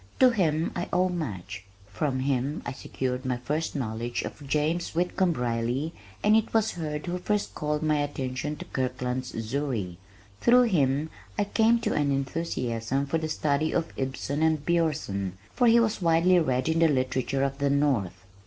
To him I owe much. From him I secured my first knowledge of James Whitcomb Riley, and it was Hurd who first called my attention to Kirkland's Zury. Through him I came to an enthusiasm for the study of Ibsen and Bjornsen, for he was widely read in the literature of the north.